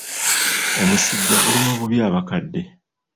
Omusujja guluma bubi abakadde.